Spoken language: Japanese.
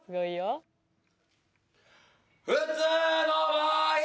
普通の場合！